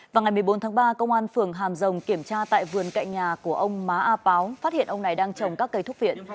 vào ngày một mươi bốn tháng ba công an phường hàm rồng kiểm tra tại vườn cạnh nhà của ông má a páo phát hiện ông này đang trồng các cây thúc viện